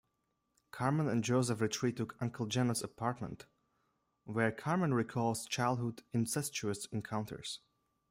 Carmen and Joseph retreat to Uncle Jeannot's apartment, where Carmen recalls childhood incestuous encounters.